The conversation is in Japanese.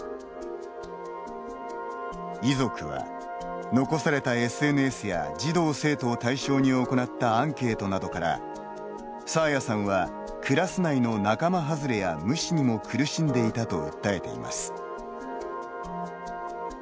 遺族は、残されたＳＮＳや児童生徒を対象に行ったアンケートなどから爽彩さんは、クラス内の仲間はずれや無視にも苦しんでいたと訴えています。